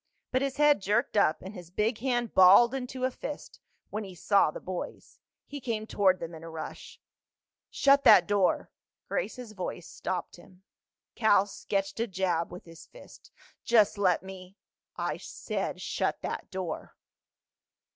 But his head jerked up and his big hand balled into a fist when he saw the boys. He came toward them in a rush. "Shut that door!" Grace's voice stopped him. Cal sketched a jab with his fist. "Just let me—!" "I said shut that door."